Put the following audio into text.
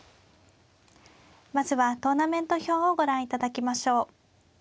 まずはトーナメント表をご覧いただきましょう。